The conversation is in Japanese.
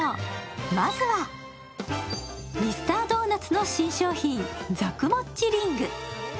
まずはミスタードーナツの新商品ザクもっちリング。